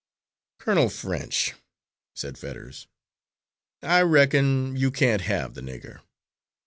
"Colonel French," said Fetters, "I reckon you can't have the nigger."